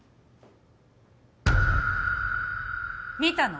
見たの？